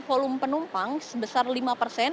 volume penumpang sebesar lima persen